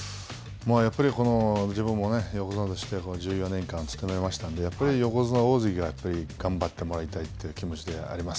やっぱり自分も横綱として１４年間務めましたんで、やっぱり横綱大関は、頑張ってもらいたいという気持ちであります。